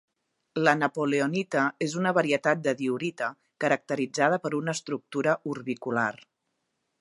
La napoleonita és una varietat de diorita caracteritzada per una estructura orbicular.